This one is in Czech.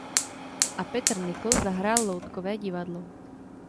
A Petr Nikl zahrál loutkové divadlo.